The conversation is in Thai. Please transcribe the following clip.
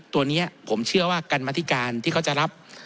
ตัวนี้ผมเชื่อว่ากรรมธิการที่เขาจะรับ